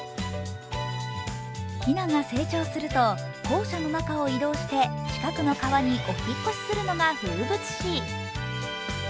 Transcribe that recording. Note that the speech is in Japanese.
ひなが成長すると校舎の中を移動して近くの川にお引っ越しするのが風物詩。